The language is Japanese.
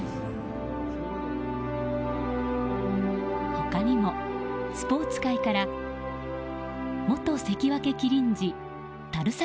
他にもスポーツ界から元関脇・麒麟児垂澤